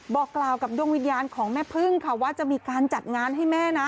บอกกล่าวกับดวงวิญญาณของแม่พึ่งค่ะว่าจะมีการจัดงานให้แม่นะ